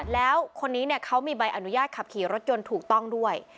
แล้วคนนี้เขามีใบอนุญาตขับขี่รถยนต์ถูกต้องด้วย